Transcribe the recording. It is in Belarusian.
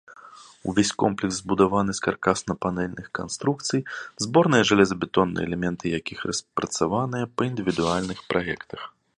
Увесь комплекс збудаваны з каркасна-панэльных канструкцый, зборныя жалезабетонныя элементы якіх распрацаваныя па індывідуальных праектах.